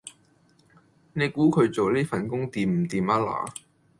你估佢做呢份工掂唔掂吖嗱